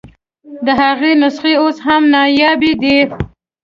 د هغه نسخې اوس هم نایابه دي.